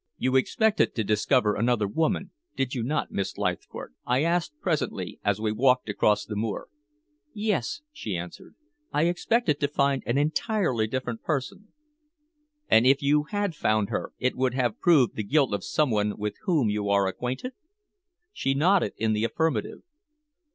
"You expected to discover another woman, did you not, Miss Leithcourt?" I asked presently, as we walked across the moor. "Yes," she answered. "I expected to find an entirely different person." "And if you had found her it would have proved the guilt of someone with whom you are acquainted?" She nodded in the affirmative.